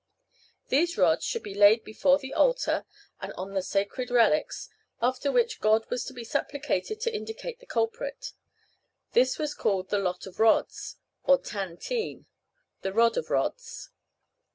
These rods should be laid before the altar, and on the sacred relics, after which God was to be supplicated to indicate the culprit. This was called the Lot of Rods, or Tan teen, the Rod of Rods.